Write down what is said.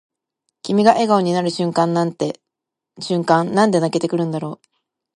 君が笑顔になる瞬間なんで泣けてくるんだろう